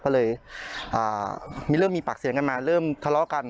ก็เลยมีเรื่องมีปากเสียงกันมาเริ่มทะเลาะกัน